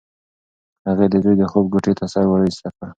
هغې د زوی د خوب کوټې ته سر ورایسته کړ.